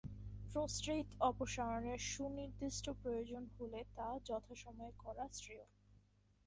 Prostate অপসারণের সুনির্দিষ্ট প্রয়োজন হলে তা যথাসময়ে করা শ্রেয়।